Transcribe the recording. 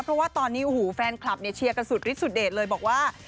เพราะว่าตอนนี้โอ้โหแฟนคลับเนี่ยเชียร์กันสุดฤทธสุดเดชเลยบอกว่า